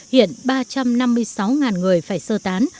hiện ba trăm năm mươi sáu người phải sơ tán